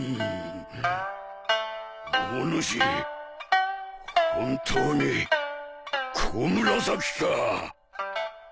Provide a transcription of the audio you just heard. おぬし本当に小紫か？